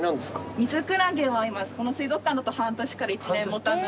ミズクラゲは今この水族館だと半年から一年持たない。